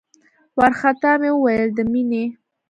وارخطا مې وويل د مينې.